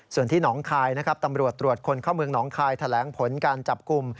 ส่วนที่หนองคายนะครับตำรวจตรวจคนเข้าเมืองหนองคายแถลงผลการจับกลุ่ม